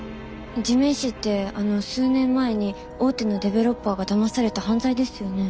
地面師ってあの数年前に大手のデベロッパーがだまされた犯罪ですよね？